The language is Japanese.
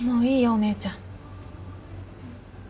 お姉ちゃん。